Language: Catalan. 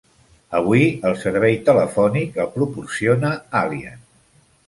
Avui, el servei telefònic el proporciona Aliant.